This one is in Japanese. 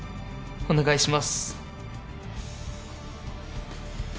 お願いします